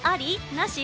なし？